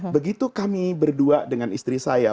begitu kami berdua dengan istri saya